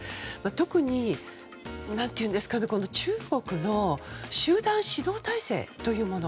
特に中国の集団指導体制というもの。